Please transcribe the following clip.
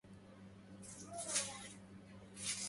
بالعافية توجد لذّة الحياة.